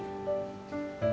masih sempet pulang